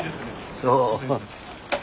そう？